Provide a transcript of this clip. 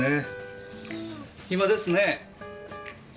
暇ですねえ。